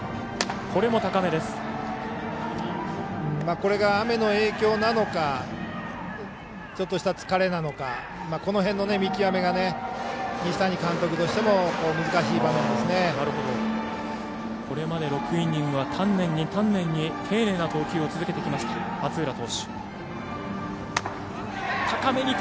これが雨の影響なのかちょっとした疲れなのかこの辺の見極めが西谷監督としてもこれまで６イニングは丹念に丹念に丁寧な投球を続けてきた松浦投手。